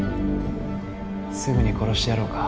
すぐに殺してやろうか？